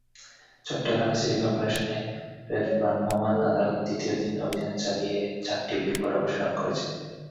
Chittagong city করপোরেশনের ভ্রাম্যমাণ আদালত দ্বিতীয় দিন অভিযান চালিয়ে চারটি বিলবোর্ড অপসারণ করেছে।